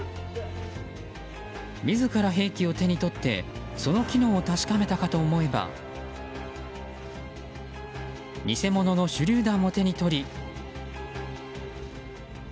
自ら兵器を手に取ってその機能を確かめたかと思えば偽物の手榴弾を手に取り。